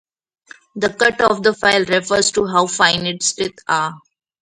The "cut" of the file refers to how fine its teeth are.